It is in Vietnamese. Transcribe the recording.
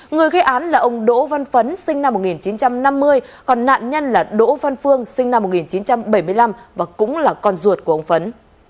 người gây án là ông đỗ văn phấn sinh năm một nghìn chín trăm năm mươi còn nạn nhân là đỗ văn phương sinh năm một nghìn chín trăm bảy mươi năm và cũng là con ruột của ông phấn